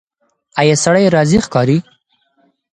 ایا سړی راضي ښکاري؟